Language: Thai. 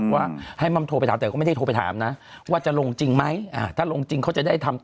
ว่าให้มัมโทรไปถามแต่ก็ไม่ได้โทรไปถามนะว่าจะลงจริงไหมอ่าถ้าลงจริงเขาจะได้ทำ